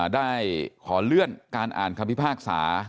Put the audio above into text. ได้ขอเลื่อนการอ่านคำพิพากษา